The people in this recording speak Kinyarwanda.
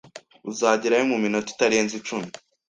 Uzagerayo muminota itarenze icumi.